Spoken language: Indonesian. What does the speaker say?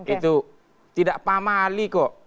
itu tidak pamali kok